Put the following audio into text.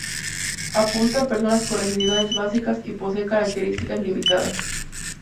Apunta a personas con necesidades básicas, y posee características limitadas.